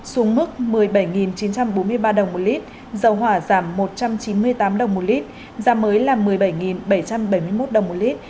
xuống mức một mươi bảy chín trăm bốn mươi ba đồng một lít dầu hỏa giảm một trăm chín mươi tám đồng một lít giá mới là một mươi bảy bảy trăm bảy mươi một đồng một lít